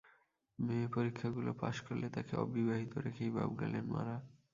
মেয়ে পরীক্ষাগুলো পাস করলে, তাকে অবিবাহিত রেখেই বাপ গেলেন মারা।